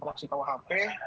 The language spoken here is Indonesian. mengatasi aliansi rkuhp